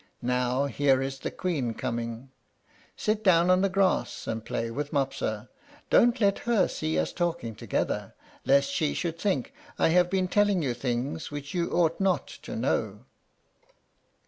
Now here is the Queen coming. Sit down on the grass and play with Mopsa. Don't let her see us talking together, lest she should think I have been telling you things which you ought not to know."